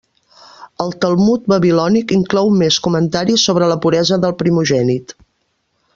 El Talmud babilònic inclou més comentaris sobre la puresa del primogènit.